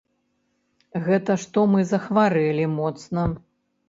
Гэта што мы захварэлі моцна.